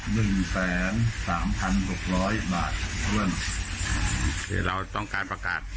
หนึ่งแสนสามพันหกร้อยบาทเพื่อนคือเราต้องการประกาศ